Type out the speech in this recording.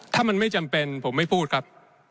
ถ้ามันไม่จำเป็นผมไม่พูดครับ